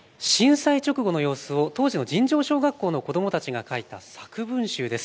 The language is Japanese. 震災直後の様子を当時の尋常小学校の子どもたちが書いた作文集です。